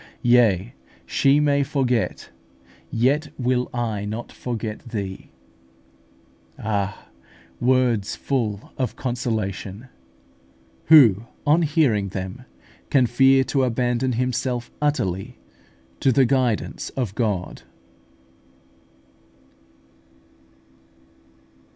Yea, she may forget, yet will I not forget thee" (Isa. xlix. 15). Ah, words full of consolation! Who on hearing them can fear to abandon himself utterly to the guidance of God?